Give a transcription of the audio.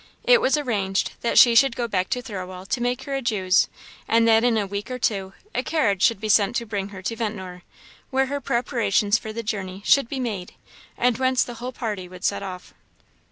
It was arranged that she should go back to Thirlwall to make her adieus; and that, in a week or two, a carriage should be sent to bring her to Ventnor, where her preparations for the journey should be made, and whence the whole party would set off.